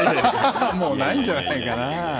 もうないんじゃないかな。